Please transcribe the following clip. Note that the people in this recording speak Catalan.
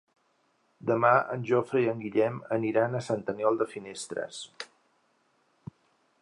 Demà en Jofre i en Guillem aniran a Sant Aniol de Finestres.